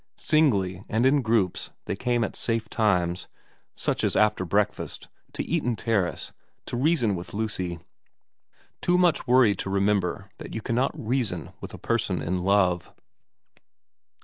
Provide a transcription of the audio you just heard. Singly and in groups they came at safe times, such as after breakfast, to Eaton Terrace to reason with Lucy, too much worried to remember that you cannot reason with a person in love.